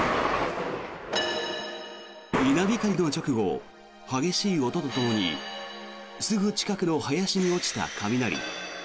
稲光の直後、激しい音とともにすぐ近くの林に落ちた雷。